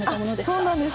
そうなんです。